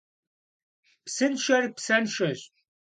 Псыншэр псэншэщ.